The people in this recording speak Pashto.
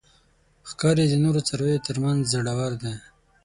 ښکاري د نورو څارویو تر منځ زړور دی.